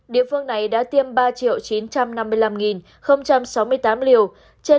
địa phương này đã tiêm ba chín trăm năm mươi năm sáu mươi tám liều trên năm ba trăm tám mươi một